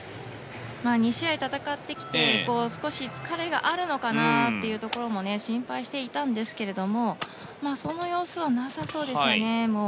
２試合戦ってきて少し疲れがあるのかなというところも心配していたんですがそんな様子はなさそうですね。